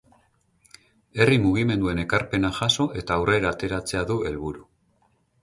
Herri mugimenduen ekarpena jaso eta aurrera ateratzea du helburu.